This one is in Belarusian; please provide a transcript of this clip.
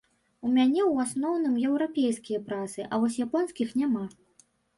У мяне ў асноўным еўрапейскія прасы, а вось японскіх няма.